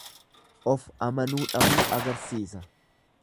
Of amanuu dhabuu agarsiisa.